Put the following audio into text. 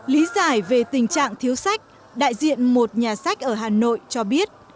lý giải về tình trạng thiếu sách đại diện một nhà sách ở hà nội cho biết